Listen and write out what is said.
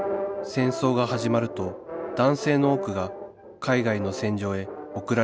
戦争が始まると男性の多くが海外の戦場へ送られていきました